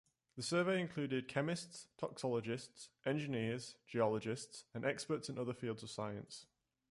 The survey included chemists, toxicologists, engineers, geologists and experts in other fields of science.